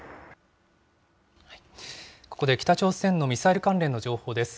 ここで北朝鮮のミサイル関連の情報です。